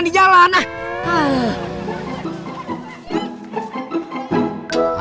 tidak ada yang bercanda